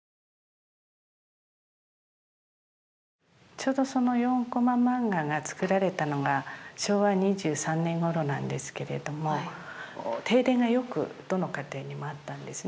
ちょうどその４こま漫画が作られたのが昭和２３年ごろなんですけれども停電がよくどの家庭にもあったんですね。